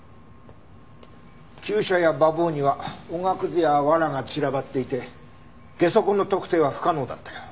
厩舎や馬房にはおがくずや藁が散らばっていてゲソ痕の特定は不可能だったよ。